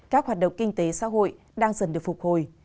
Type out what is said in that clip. các hoạt động kinh tế xã hội đang dần được phục hồi